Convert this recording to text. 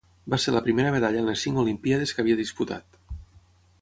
Va ser la primera medalla en les cinc olimpíades que havia disputat.